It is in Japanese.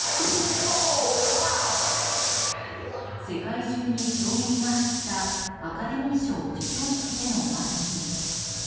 世界中に衝撃が走ったアカデミー賞授賞式でのワンシーン。